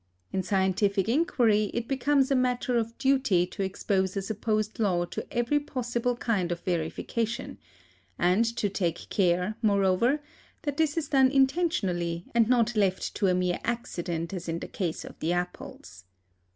In scientific inquiry it becomes a matter of duty to expose a supposed law to every possible kind of verification, and to take care, moreover, that this is done intentionally, and not left to a mere accident, as in the case of the apples.